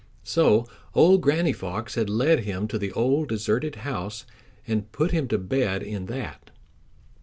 So old Granny Fox had led him to the old deserted house and put him to bed in that.